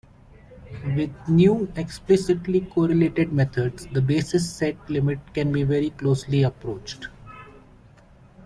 With new explicitly correlated methods the basis set limit can be very closely approached.